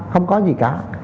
không có gì cả